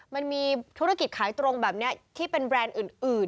มันมีธุรกิจขายตรงแบบนี้ที่เป็นแบรนด์อื่น